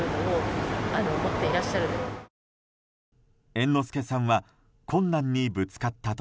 猿之助さんは困難にぶつかった時